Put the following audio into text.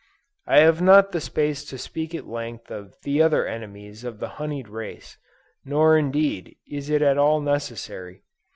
_ I have not the space to speak at length of the other enemies of the honied race: nor indeed is it at all necessary.